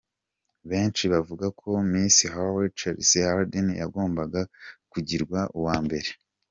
Benshi bavuga ko Miss Hawaii, Chelsea Hardin yagombaga kugirwa uwa mbere.